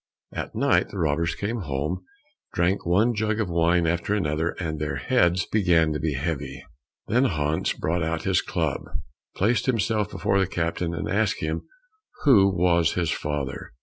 At night the robbers came home, drank one jug of wine after another, and their heads began to be heavy. Then Hans brought out his club, placed himself before the captain, and asked him who was his father?